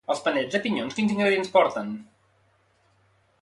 Els panellets de pinyons quins ingredients porten?